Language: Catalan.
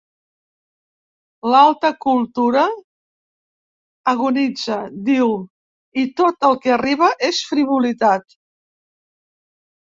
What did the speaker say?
L'alta cultura agonitza, diu, i tot el que arriba és frivolitat.